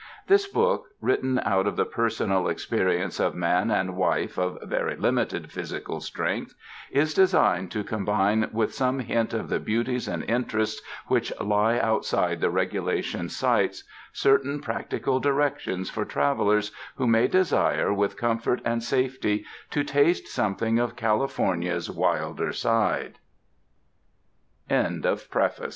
This book, written out of the personal experience of man and wife of very limited physical strength, is designed to com bine with some hint of the beauties and interests which lie outside the regulation sights, certain prac tical directions for travelers who may desire with comfort and safety to taste something of Cali fornia's wilder sid